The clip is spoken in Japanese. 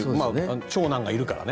長男がいるからね。